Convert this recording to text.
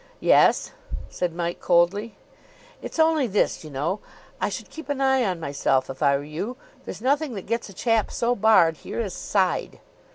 "Yes?" said Mike coldly. "It's only this. You know, I should keep an eye on myself if I were you. There's nothing that gets a chap so barred here as side."